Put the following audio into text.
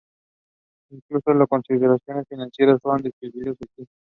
Incluso las consideraciones financieras fueron decisivos aquí.